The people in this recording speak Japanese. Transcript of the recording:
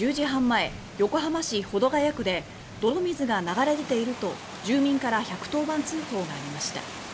前横浜市保土ヶ谷区で「泥水が流れ出ている」と住民から１１０番通報がありました。